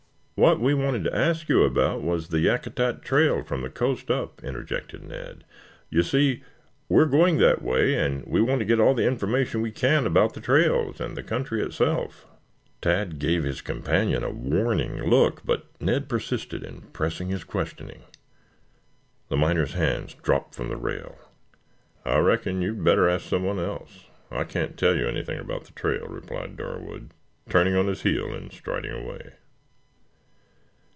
"What we wanted to ask you about was the Yakutat trail from the coast up?" interjected Ned. "You see, we are going that way and we want to get all the information we can about the trails and the country itself." Tad gave his companion a warning look, but Ned persisted in pressing his questioning. The miner's hands dropped from the rail. "I reckon you would better ask someone else. I can't tell you anything about the trail," replied Darwood, turning on his heel and striding away.